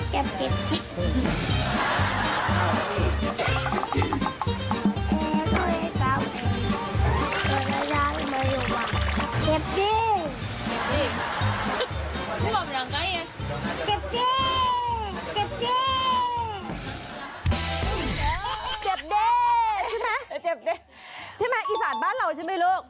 เจ็บเด้ใช่ไหมอีสานบ้านเราใช่ไหมเลิก